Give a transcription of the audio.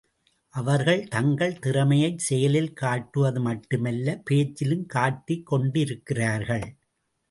அவர்கள் தங்கள் திறமையை செயலில் காட்டுவது மட்டுமல்ல பேச்சிலும் காட்டிக் கொண்டிருக்கிறார்கள்.